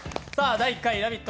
第１回「ラヴィット！」